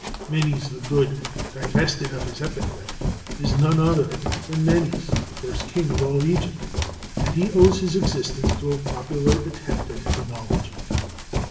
Menes the Good, divested of his epithet, is none other than Menes, the first king of all Egypt, and he owes his existence to a popular attempt at etymology.